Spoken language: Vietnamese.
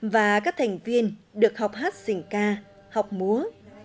và các thành viên được học hát xình ca học múa